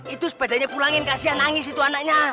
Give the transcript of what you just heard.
itu sepedanya pulangin kasihan nangis itu anaknya